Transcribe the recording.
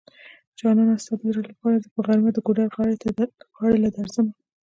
جانانه ستا د زړه لپاره زه په غرمه د ګودر غاړی له درځمه